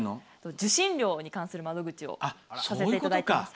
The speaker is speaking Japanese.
受信料に関する窓口をさせていただいています。